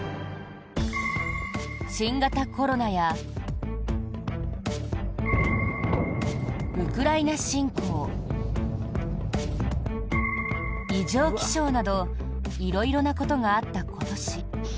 新型コロナやウクライナ侵攻異常気象など色々なことがあった今年。